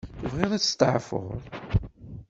Tebɣiḍ ad testeɛfuḍ?